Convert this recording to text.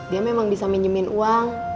dia memang bisa minjemin uang